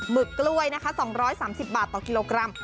ึกกล้วยนะคะ๒๓๐บาทต่อกิโลกรัม